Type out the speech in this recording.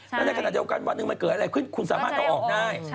แล้วในขณะเดียวกันวันหนึ่งมันเกิดอะไรขึ้นคุณสามารถเอาออกได้